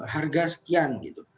harga sekian gitu